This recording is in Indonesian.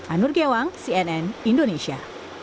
anur gewang cnn indonesia